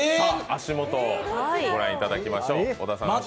足元をご覧いただきましょう。